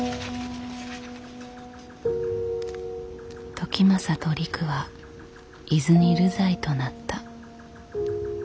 時政とりくは伊豆に流罪となった。